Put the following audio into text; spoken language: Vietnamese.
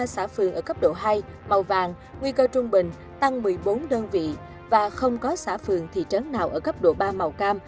bốn mươi ba xã vườn ở cấp độ hai màu vàng nguy cơ trung bình tăng một mươi bốn đơn vị và không có xã vườn thị trấn nào ở cấp độ ba màu cam